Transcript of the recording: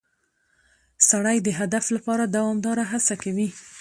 سړی د هدف لپاره دوامداره هڅه کوي